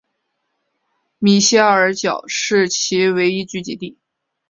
米歇尔角是其唯一聚居地。